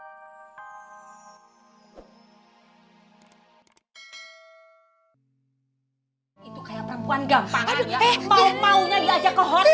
itu kayak perempuan gampang yang mau maunya diajak ke hotel